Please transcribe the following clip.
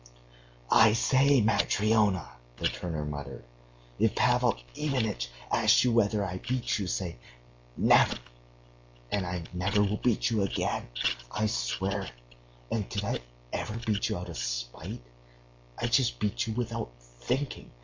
"I say, Matryona,..." the turner muttered, "if Pavel Ivanitch asks you whether I beat you, say, 'Never!' and I never will beat you again. I swear it. And did I ever beat you out of spite? I just beat you without thinking.